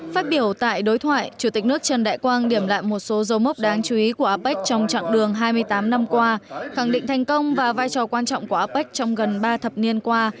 phát biểu tại đối thoại chủ tịch nước trần đại quang điểm lại một số dấu mốc đáng chú ý của apec trong trạng đường hai mươi tám năm qua khẳng định thành công và vai trò quan trọng của apec trong gần ba thập niên qua